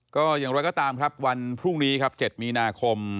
ก็อย่างไรก็ตามวันพรุ่งนี้๗มีนาคม